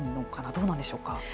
どうなんでしょうか。